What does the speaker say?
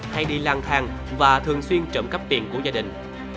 hay đi lang thang và thường xuyên trộm cắp tiền của gia đình